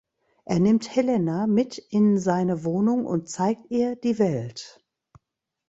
Er nimmt Helena mit in seine Wohnung und zeigt ihr die Welt.